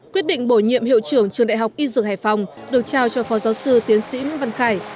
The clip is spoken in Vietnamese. quyết định bổ nhiệm hiệu trưởng trường đại học y dược hải phòng được trao cho phó giáo sư tiến sĩ nguyễn văn khải